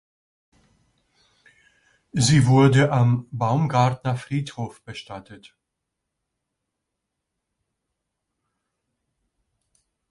Sie wurde am Baumgartner Friedhof bestattet.